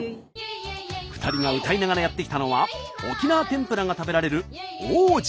２人が歌いながらやって来たのは沖縄天ぷらが食べられる奥武島。